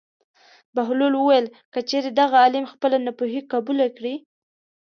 بهلول وویل: که چېرې دغه عالم خپله ناپوهي قبوله کړي.